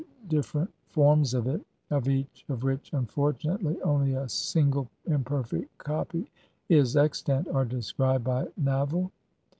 different forms of it— of each of which, unfortunately, only a single imperfect copy is extant — are described by Naville (Ein leitung, pp.